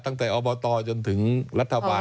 ตั้งแต่อบตจนถึงรัฐบาล